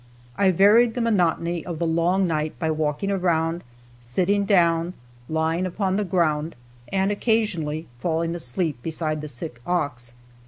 I varied the monotony of the long night by walking around, sitting down, lying upon the ground, and occasionally falling asleep beside the sick ox.